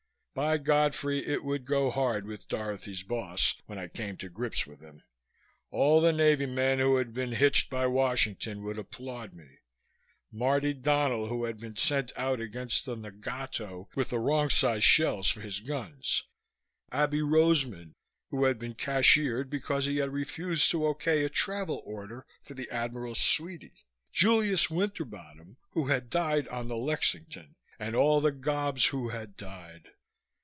By Godfrey, it would go hard with Dorothy's boss when I came to grips with him. All the Navy men who had been hitched by Washington would applaud me Marty Donnell who had been sent out against the "Nagato" with the wrong size shells for his guns; Abie Roseman, who had been cashiered because he had refused to okay a travel order for the Admiral's sweetie; Julius Winterbottom, who had died on the "Lexington" and all the gobs who had died.